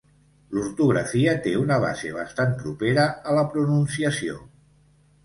L'ortografia té una base bastant propera a la pronunciació.